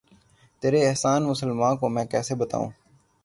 تیرے احسان مسلماں کو میں کیسے بتاؤں